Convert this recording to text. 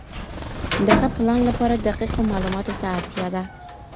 د ښه پلان لپاره دقیقو معلوماتو ته اړتیا ده.